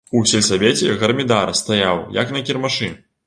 У сельсавеце гармідар стаяў, як на кірмашы.